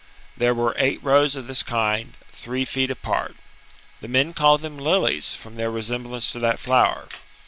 There were eight rows of this kind, three feet apart. The men called them lilies, from their resemblance to that flower.